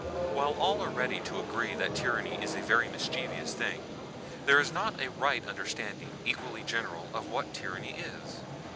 While all are ready to agree that tyranny is a very mischievous thing, there is not a right understanding equally general of what tyranny is.